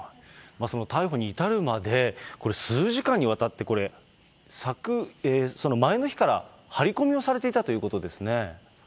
その逮捕に至るまで、数時間にわたって、前の日から張り込みをされていたということですね。